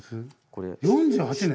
４８年？